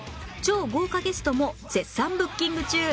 超豪華ゲストも絶賛ブッキング中！